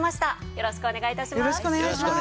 よろしくお願いします。